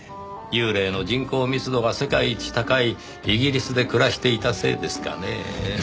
幽霊の人口密度が世界一高いイギリスで暮らしていたせいですかねぇ。